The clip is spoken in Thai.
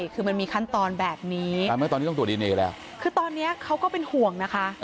คือมันมีขั้นตอนแบบนี้คือตอนนี้เขาก็เป็นห่วงนะคะ